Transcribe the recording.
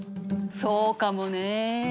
そうかもね。